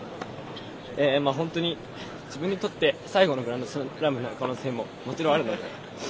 本当に自分にとって最後のグランドスラムになる可能性も、もちろんあるので。